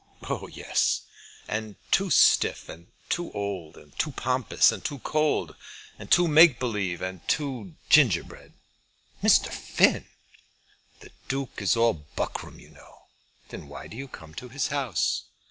"Oh, yes; and too stiff, and too old, and too pompous, and too cold, and too make believe, and too gingerbread." "Mr. Finn!" "The Duke is all buckram, you know." "Then why do you come to his house?"